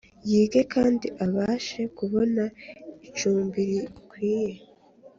yige kandi abashe kubona icumbi rikwiye.